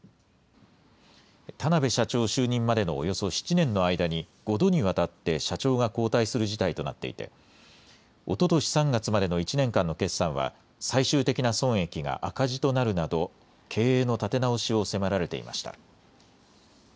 田邊社長就任までのおよそ７年の間に、５度にわたって社長が交代する事態となっていて、おととし３月までの１年間の決算は、最終的な損益が赤字となるなど、経営の立て直しを迫られていました。